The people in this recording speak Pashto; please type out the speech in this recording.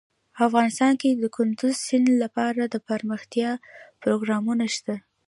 افغانستان کې د کندز سیند لپاره دپرمختیا پروګرامونه شته.